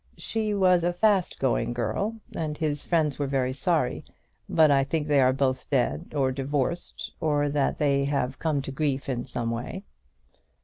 She was a fast going girl, and his friends were very sorry. But I think they are both dead or divorced, or that they have come to grief in some way."